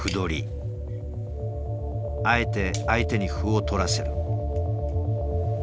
あえて相手に歩を取らせる。